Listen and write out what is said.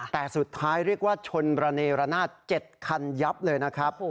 แต่สุดท้ายเรียกว่าชนระเนรนาศ๗คันยับเลยนะครับ